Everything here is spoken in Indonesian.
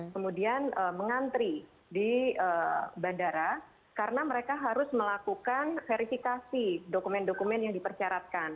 kemudian mengantri di bandara karena mereka harus melakukan verifikasi dokumen dokumen yang dipersyaratkan